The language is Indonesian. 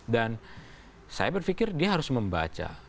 dan saya berpikir dia harus membaca